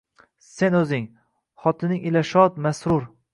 Sen o’zing, xotining ila shod, masrur